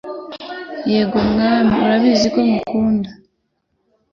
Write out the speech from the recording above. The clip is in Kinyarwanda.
« Yego Mwami, urabizi ko ngukunda. »